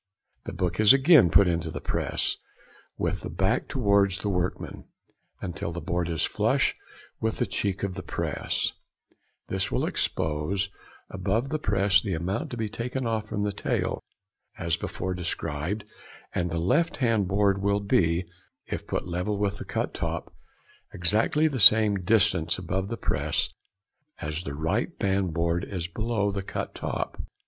The book is again put into the press, with the back towards the workman, until the board is flush with the cheek of the press; this will expose above the press the amount to be taken off from the tail, as before described, and the left hand board will be, if put level with the cut top, exactly the same distance above the press as the right band board is below the cut top.